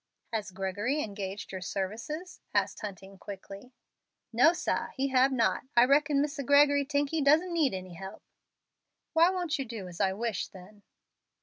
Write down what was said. "Has Gregory engaged your services?" asked Hunting, quickly. "No, sah, he hab not. I reckon Misser Gregory tink he doesn't need any help." "Why won't you do as I wish, then?"